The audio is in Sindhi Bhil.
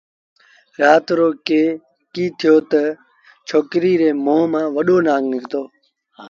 رآت رو ڪيٚ ٿيو تا ڇوڪريٚ ري مݩهݩ مآݩ وڏو نآݩگ نکتو